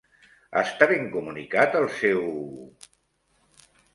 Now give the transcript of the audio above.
Està ben comunicat el seu...?